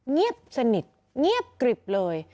เงียบสนิทเงียบกริบเลย